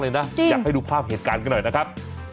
อยากให้ดูภาพเหตุการณ์กันหน่อยนะครับ